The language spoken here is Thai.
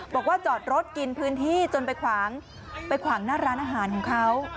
บอกว่าจอดรถกินพื้นที่จนไปขวางไปขวางหน้าร้านอาหารของเขา